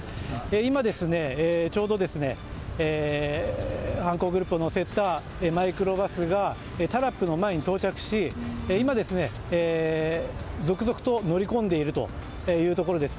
今ちょうど犯行グループを乗せたマイクロバスがタラップの前に到着し今、続々と乗り込んでいるところです。